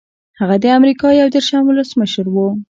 هغه د امریکا یو دېرشم ولسمشر و.